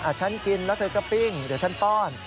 ฉันกินแล้วเธอก็ปิ้งเดี๋ยวฉันป้อน